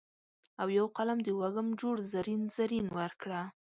او یو قلم د وږم جوړ زرین، زرین ورکړه